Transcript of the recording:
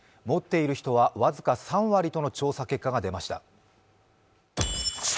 持っている人は僅か３割との調査結果が出ました。